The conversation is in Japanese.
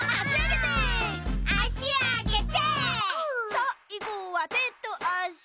さいごはてとあし。